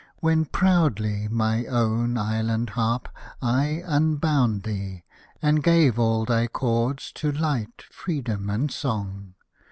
When proudly, my own Island Harp, I unbound thee. And gave all thy chords to light, freedom, and song